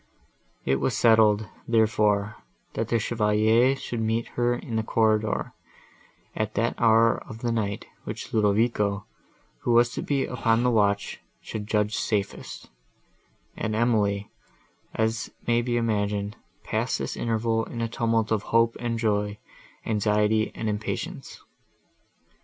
It was settled, therefore, that the Chevalier should meet her in the corridor, at that hour of the night, which Ludovico, who was to be upon the watch, should judge safest: and Emily, as may be imagined, passed this interval in a tumult of hope and joy, anxiety and impatience.